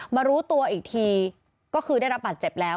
มารู้ตัวอีกทีก็คือได้รับบาดเจ็บแล้ว